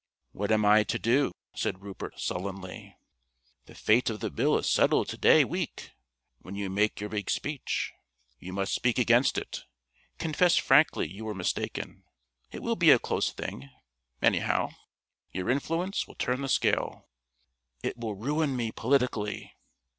"What am I to do?" said Rupert sullenly. "The fate of the Bill is settled to day week, when you make your big speech. You must speak against it. Confess frankly you were mistaken. It will be a close thing, anyhow. Your influence will turn the scale." "It will ruin me politically."